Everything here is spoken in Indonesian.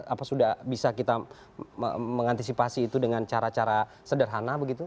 apa sudah bisa kita mengantisipasi itu dengan cara cara sederhana begitu